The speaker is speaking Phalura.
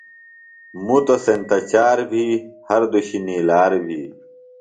مُتوۡ سینتہ چار بھی، ہر دُشیۡ نِیلار بھی